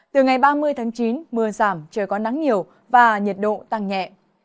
từ ngày ba mươi tháng chín mưa giảm trời có nắng nhiều và nhiệt độ tăng nhẹ